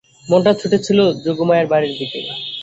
মনটা ছুটেছিল যোগমায়ার বাড়ির দিকে।